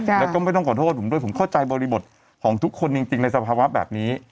แล้วก็ไม่ต้องขอโทษผมด้วยผมเข้าใจบริบทของทุกคนจริงในสภาวะแบบนี้